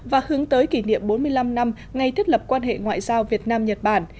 và hướng tới kỷ niệm bốn mươi năm năm ngày thiết lập quan hệ ngoại giao việt nam nhật bản